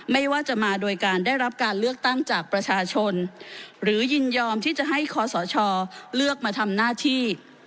ไม่ว่าจะมาโดยการได้รับการเลือกตั้งจากประชาชนหรือยินยอมที่จะให้คอสชเลือกมาทำหน้าที่